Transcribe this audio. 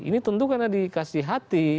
ini tentu karena dikasih hati